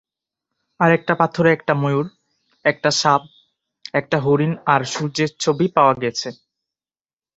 আর একটা পাথরে একটা ময়ূর, একটা সাপ, একটা হরিণ আর সূর্যের ছবি পাওয়া গেছে।